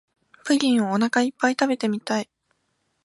プリンをおなかいっぱい食べてみたい